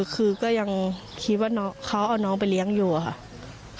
คือก็ยังคิดว่าเขาเอาน้องไปเลี้ยงอยู่ค่ะ